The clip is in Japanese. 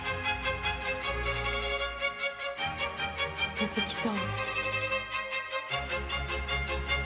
出てきた。